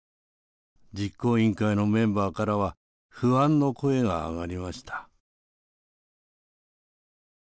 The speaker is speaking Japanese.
実行委員会のメンバーからは不安の声が上がりました。